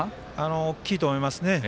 大きいと思います。